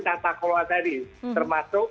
tata kelola tadi termasuk